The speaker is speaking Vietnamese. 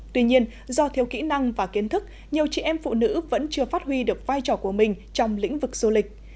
tuy nhiên do thiếu kỹ năng và kiến thức nhiều chị em phụ nữ vẫn chưa phát huy được vai trò của mình trong lĩnh vực du lịch